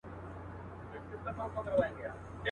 اوس به كومه تورپېكۍ پر بولدك ورسي.